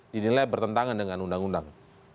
di nilai bertentangan dengan undang undang